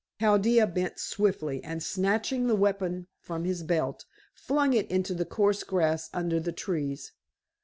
Chaldea bent swiftly, and snatching the weapon from his belt, flung it into the coarse grass under the trees.